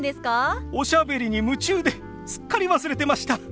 おしゃべりに夢中ですっかり忘れてました。